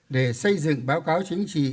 để xây dựng báo cáo chính trị